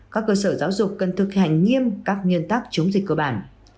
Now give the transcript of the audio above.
các cơ sở giáo dục cần thực hành nghiêm các nguyên tắc chống dịch cơ bản